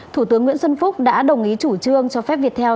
thủ tướng nguyễn xuân phúc đã đồng ý chủ trương cho phép viettel